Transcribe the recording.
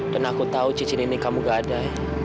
dan aku tahu cincin ini kamu gak ada